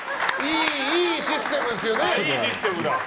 いいシステムですよね。